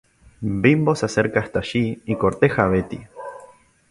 Bimbo se acerca hasta allí y corteja a Betty.